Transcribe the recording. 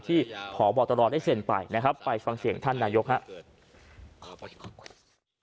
ที่ขอบอกตลอดให้เสร็นไปไปฟังเสียงท่านนายกครับ